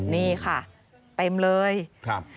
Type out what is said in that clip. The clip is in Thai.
นี่ค่ะเต็มเลยครับ